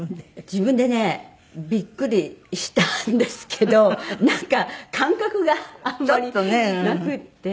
自分でねビックリしたんですけどなんか感覚があんまりなくて。